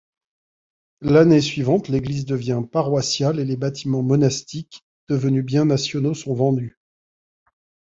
L'année suivante l'église devient paroissiale et les bâtiments monastiques, devenus biens nationaux sont vendus.